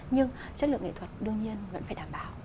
nhưng chất lượng nghệ thuật đương nhiên vẫn phải đảm bảo